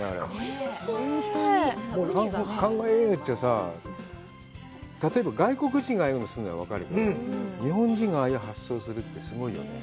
考えようによってはさ、例えば外国人がああいう発想するのは分かるけど、日本人がああいう発想するってすごいよね。